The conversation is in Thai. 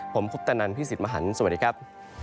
ผมคุปตะนันพี่สิทธิ์มหันฯสวัสดีครับ